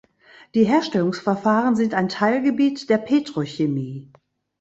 Die Herstellungsverfahren sind ein Teilgebiet der Petrochemie.